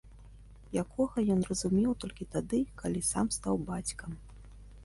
Якога ён зразумеў толькі тады, калі сам стаў бацькам.